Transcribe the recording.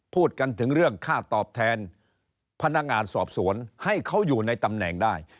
พูดกันถึงเรื่องค่าตอบแทนพนักงานสอบสวนให้เขาอยู่ในตำแหน่งได้